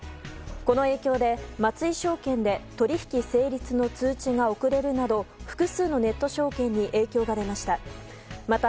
この影響で松井証券で取引成立の通知が遅れるなど複数のネット証券に影響が出ました。